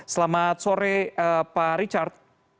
selamat sore pak richard